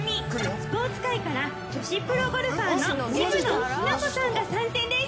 スポーツ界から女子プロゴルファーの渋野日向子さんが参戦です。